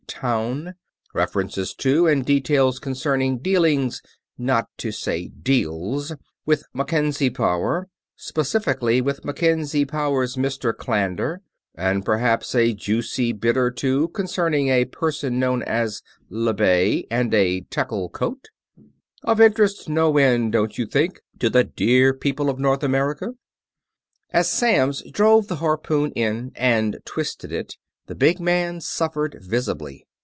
Towne; references to and details concerning dealings not to say deals with Mackenzie Power, specifically with Mackenzie Power's Mr. Clander; and perhaps a juicy bit or two concerning a person known as le Bay and a tekkyl coat. Of interest no end, don't you think, to the dear people of North America?" As Samms drove the harpoon in and twisted it, the big man suffered visibly.